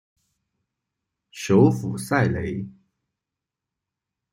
首府塞雷。